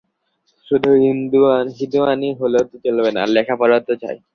শুধু হিঁদুয়ানি হলেও তো চলবে না– লেখা-পড়াও তো চাই!